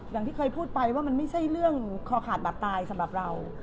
อย่างที่เคยพูดไปว่ามันไม่ใช่เรื่องคอขาดบาดตายสำหรับเรา